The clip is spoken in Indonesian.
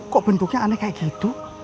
kok bentuknya aneh seperti itu